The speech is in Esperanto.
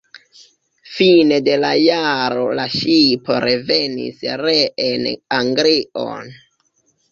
Fine de la jaro la ŝipo revenis reen Anglion.